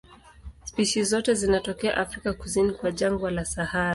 Spishi zote zinatokea Afrika kusini kwa jangwa la Sahara.